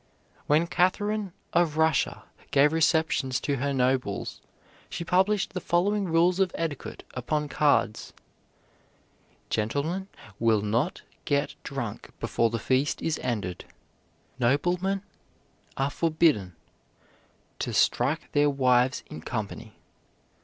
When Catherine of Russia gave receptions to her nobles, she published the following rules of etiquette upon cards: "Gentlemen will not get drunk before the feast is ended. Noblemen are forbidden to strike their wives in company.